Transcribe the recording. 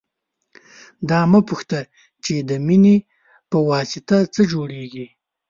دا مه پوښته د مینې پواسطه څه جوړېږي.